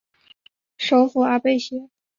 首府阿贝歇。